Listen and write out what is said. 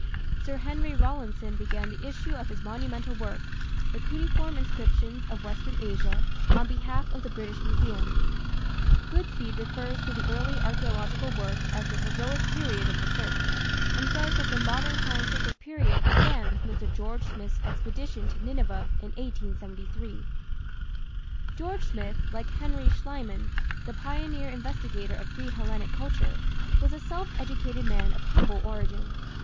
Sir Henry Rawlinson began the issue of his monumental work The Cuneiform Inscriptions of Western Asia on behalf of the British Museum. Goodspeed refers to the early archaeological work as the "Heroic Period" of research, and says that the "Modern Scientific Period" began with Mr. George Smith's expedition to Nineveh in 1873. George Smith, like Henry Schliemann, the pioneer investigator of pre Hellenic culture, was a self educated man of humble origin.